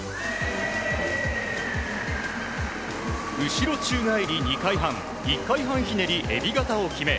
後ろ宙返り２回半１回半ひねりえび型を決め